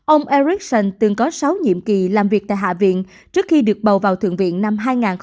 ông ericsson từng có sáu nhiệm kỳ làm việc tại hạ viện trước khi được bầu vào thượng viện năm hai nghìn hai mươi